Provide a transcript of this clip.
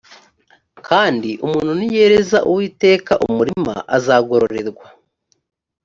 kandi umuntu niyereza uwiteka umurima, azagorerwa